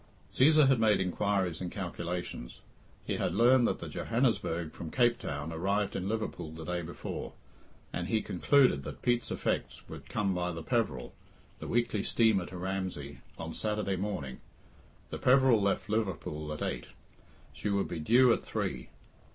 Cæsar had made inquiries and calculations. He had learned that the Johannesburg, from Cape Town, arrived in Liverpool the day before; and he concluded that Pete's effects would come by the Peveril, the weekly steamer to Ramsay, on Saturday morning, The Peveril left Liverpool at eight; she would be due at three.